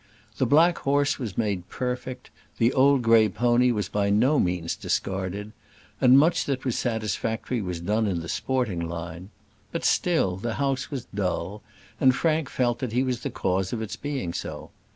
The black horse was made perfect; the old grey pony was by no means discarded; and much that was satisfactory was done in the sporting line. But still the house was dull, and Frank felt that he was the cause of its being so.